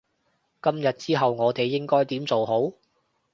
今日之後我哋應該點做好？